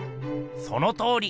そのとおり！